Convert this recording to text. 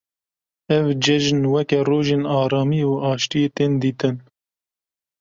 Ev ceijn weke rojên aramî û aşîtiyê tên dîtin.